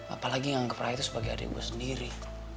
apalagi nganggep raya tuh sebagai adik gue sendiri